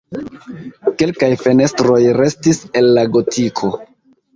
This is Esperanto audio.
Kelkaj fenestroj restis el la gotiko.